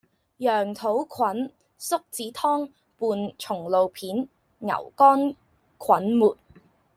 羊肚菌栗子湯伴松露片．牛肝菌末